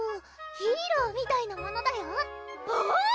ヒーローみたいなものだよおぉ！